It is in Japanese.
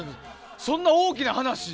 そんな大きな話。